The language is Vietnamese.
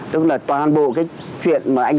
tức là toàn bộ cái chuyện mà anh